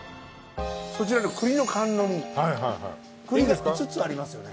こちらの栗の甘露煮栗が５つありますよね。